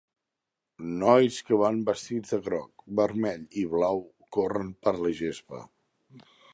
Nois que van vestits de groc, vermell i blau corren per la gespa.